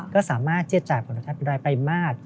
ก็สามารถที่จะจ่ายผลตอบแทนเป็นรายประมาท